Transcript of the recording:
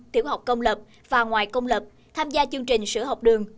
tiểu học công lập và ngoài công lập tham gia chương trình sữa học đường